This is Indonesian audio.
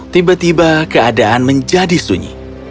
tiba tiba keadaan menjadi sunyi